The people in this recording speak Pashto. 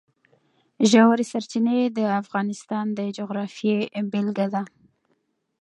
ژورې سرچینې د افغانستان د جغرافیې بېلګه ده.